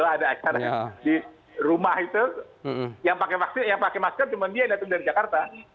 ada acara di rumah itu yang pakai masker cuma dia datang dari jakarta